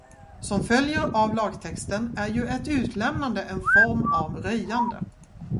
Som följer av lagtexten är ju ett utlämnande en form av röjande.